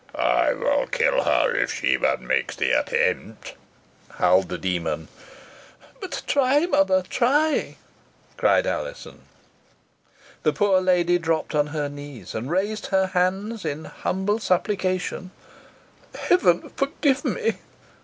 "I will kill her if she but makes the attempt," howled the demon. "But try, mother, try!" cried Alizon. The poor lady dropped on her knees, and raised her hands in humble supplication "Heaven forgive me!"